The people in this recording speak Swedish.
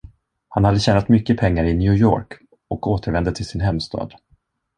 Han hade tjänat mycket pengar i New York och återvände till sin hemstad.